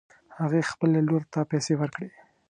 هغې خپلې لور ته پیسې ورکړې